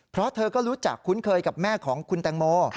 เพราะเธอก็รู้จักคุ้นเคยกับแม่ของคุณแตงโม